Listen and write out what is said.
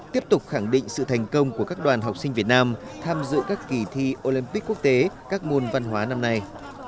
tiếp tục khẳng định sự thành công của các đoàn học sinh việt nam tham dự các kỳ thi olympic quốc tế các môn văn hóa năm nay